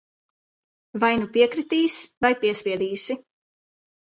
Vai nu piekritīs, vai piespiedīsi.